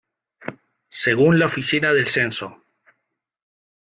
Según la Oficina del Censo.